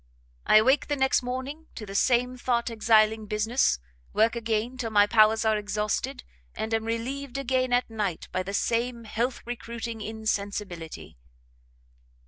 I awake the next morning to the same thought exiling business, work again till my powers are exhausted, and am relieved again at night by the same health recruiting insensibility."